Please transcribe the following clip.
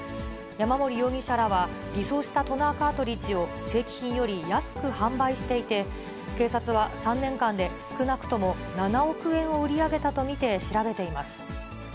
山森容疑者らは偽装したトナーカートリッジを正規品より安く販売していて、警察は３年間で少なくとも７億円を売り上げたと見て調べています。